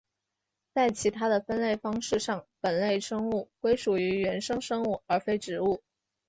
在其他的分类方式上本类生物归属于原生生物而非植物。